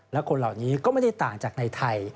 และคนเหล่านี้ก็ไม่ได้ต่างจากในไทย